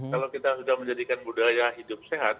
kalau kita sudah menjadikan budaya hidup sehat